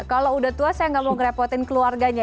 kalau udah tua saya nggak mau ngerepotin keluarganya